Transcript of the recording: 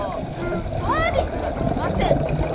「サービスはしません」？